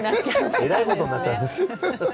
えらいことになっちゃう。